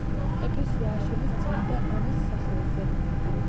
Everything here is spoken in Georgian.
ეკლესია ააშენეს წმინდა ანას სახელზე.